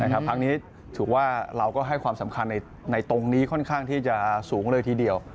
ครั้งนี้ถือว่าเราก็ให้ความสำคัญในตรงนี้ค่อนข้างที่จะสูงเลยทีเดียว